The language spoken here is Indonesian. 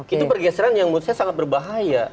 itu pergeseran yang menurut saya sangat berbahaya